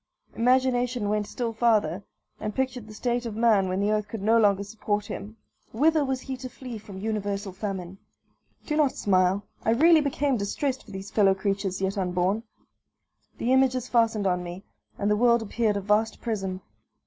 Imagination went still farther, and pictured the state of man when the earth could no longer support him. Whither was he to flee from universal famine? Do not smile; I really became distressed for these fellow creatures yet unborn. The images fastened on me, and the world appeared a vast prison.